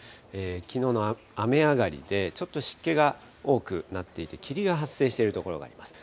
きのうの雨上がりで、ちょっと湿気が多くなっていて、霧が発生している所があります。